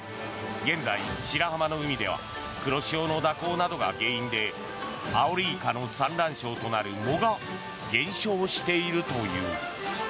現在、白浜の海では黒潮の蛇行などが原因でアオリイカの産卵床となる藻が減少しているという。